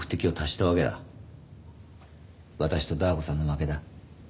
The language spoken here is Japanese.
私とダー子さんの負けだ。